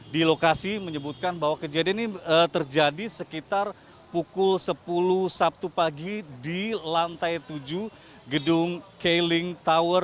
di lokasi menyebutkan bahwa kejadian ini terjadi sekitar pukul sepuluh sabtu pagi di lantai tujuh gedung keiling tower